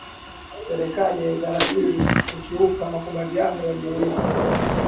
serikali haitarajiwi kukiuka makubaliano yaliyowekwa